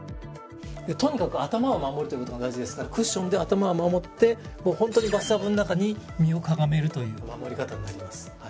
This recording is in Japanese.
とにかく頭を守るという事が大事ですからクッションで頭を守ってホントにバスタブの中に身をかがめるという守り方になります。